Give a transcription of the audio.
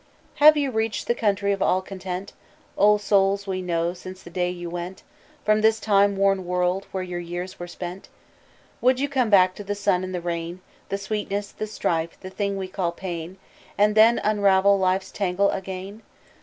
"Have you reached the country of all content, O souls we know, since the day you went From this time worn world, where your years were spent? "Would you come back to the sun and the rain, The sweetness, the strife, the thing we call pain, And then unravel life's tangle again?